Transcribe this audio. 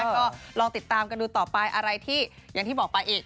ก็ลองติดตามกันดูต่อไปอะไรที่อย่างที่บอกไปอีก